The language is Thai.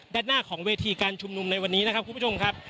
ด้านหน้าของเวทีการชุมนุมในวันนี้นะครับคุณผู้ชมครับ